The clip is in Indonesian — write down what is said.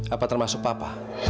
apa termasuk papa